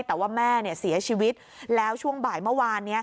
แต่ว่าแม่เสียชีวิตแล้วช่วงบ่ายเมื่อวานนี้